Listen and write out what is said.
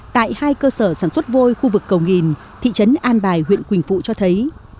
tại hai cơ sở sản xuất vôi khu vực cầu nghìn thị trấn an bài huyện quỳnh phụ cho thấy